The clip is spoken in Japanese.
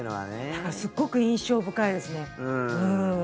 だからすごく印象深いですね。